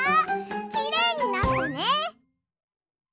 きれいになったね！